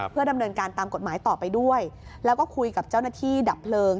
เพื่อดำเนินการตามกฎหมายต่อไปด้วยแล้วก็คุยกับเจ้าหน้าที่ดับเพลิง